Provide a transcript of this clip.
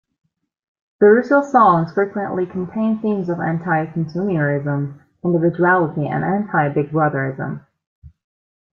Thrussell's songs frequently contain themes of anti-consumerism, individuality and anti-big-brotherism.